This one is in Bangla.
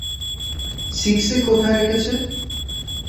সিক্সে কোথায় রেখেছে?